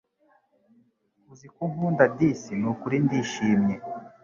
uziko unkunda disi ni ukuri ndishimye